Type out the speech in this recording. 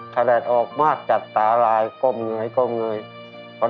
ถลัดออกมาจัดตาลายก้มเหนื่อยก้มเหนื่อยก็ได้